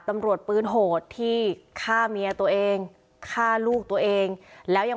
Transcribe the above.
ปืนโหดที่ฆ่าเมียตัวเองฆ่าลูกตัวเองแล้วยัง